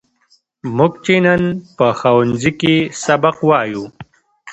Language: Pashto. موږ چې نن په ښوونځي کې سبق وایو.